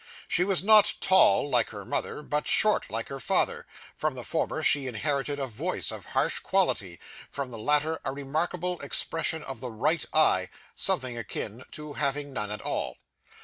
She was not tall like her mother, but short like her father; from the former she inherited a voice of harsh quality; from the latter a remarkable expression of the right eye, something akin to having none at all.